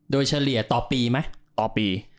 โดยเฉลี่ยต่อปีไหมต่อปี